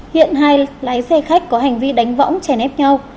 hiện hai lái xe khách có hành vi đánh võng chè nếp nhau